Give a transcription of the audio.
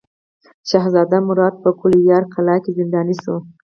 شهزاده مراد په ګوالیار کلا کې زنداني شو.